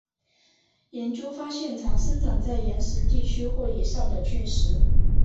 研究发现常生长在岩石地区或以上的巨石。